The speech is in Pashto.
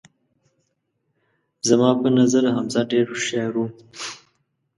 زما په نظر حمزه ډیر هوښیار وو